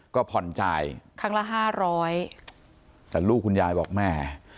ก็ผ่อนจะไข้ทางละ๕๐๐แต่ลูกคุณยายบอกแม่